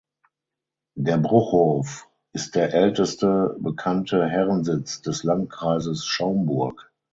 Der Bruchhof ist der älteste bekannte Herrensitz des Landkreises Schaumburg.